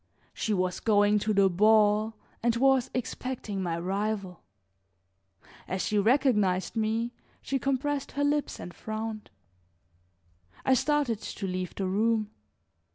She was going to the ball and was expecting my rival. As she recognized me, she compressed her lips and frowned. I started to leave the room.